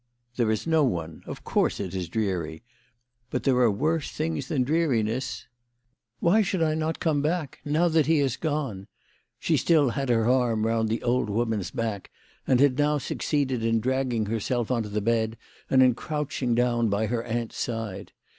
"" There is no one. Of course it is dreary. But there are worse things than dreariness." " Why should not I come back, now that he has gone ?" She still had her arm round the old woman's back, and had now succeeded in dragging herself on to THE LADY OF LAUNAY. 147 the bed and in crouching down by her aunt's side.